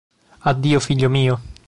Addio, figlio mio!